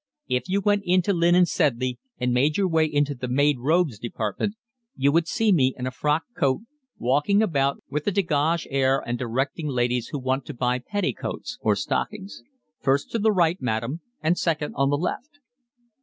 "If you went into Lynn and Sedley, and made your way into the 'made robes' department, you would see me in a frock coat, walking about with a degage air and directing ladies who want to buy petticoats or stockings. First to the right, madam, and second on the left."